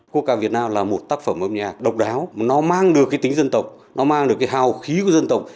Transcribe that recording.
quốc ca việt nam là một tác phẩm âm nhạc độc đáo nó mang được cái tính dân tộc